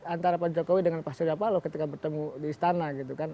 antara pak jokowi dengan pak surya paloh ketika bertemu di istana gitu kan